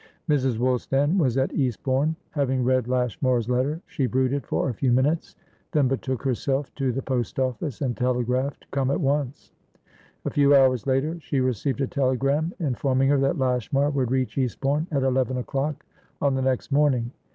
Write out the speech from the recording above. Mrs. Woolstan was at Eastbourne. Having read Lashmar's letter, she brooded for a few minutes, then betook herself to the post office, and telegraphed "Come at once." A few hours later she received a telegram informing her that Lashmar would reach Eastbourne at eleven o'clock on the next morning.